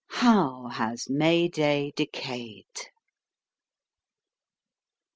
How has May Day decayed